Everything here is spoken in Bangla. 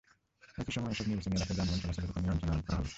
একই সময়ে এসব নির্বাচনী এলাকায় যানবাহন চলাচলের ওপর নিয়ন্ত্রণ আরোপ করা হবে।